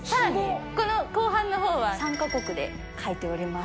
この後半のほうは、参加国で書いてあります。